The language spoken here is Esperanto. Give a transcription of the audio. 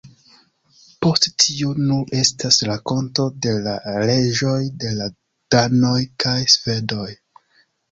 Post tio nur estas rakonto de la reĝoj de la Danoj kaj Svedoj.